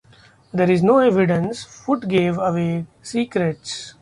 There is no evidence Foot gave away secrets.